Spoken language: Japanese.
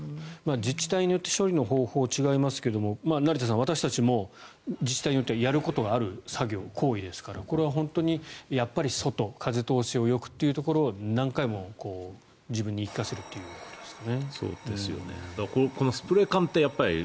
自治体によって処理の方法は違いますが成田さん、私たちも自治体によってやることがある作業、行為ですからこれは本当に、やっぱり外風通しをよくというところを何回も自分に言い聞かせるってことですかね。